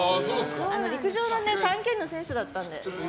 陸上の短距離の選手だったので。